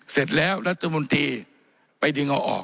เสร็จแล้วรัฐมนตรีไปดึงเอาออก